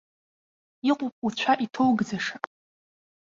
Иҟоуп уцәа иҭоугӡаша.